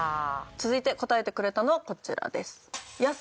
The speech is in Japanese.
続いて答えてくれたのはこちらです。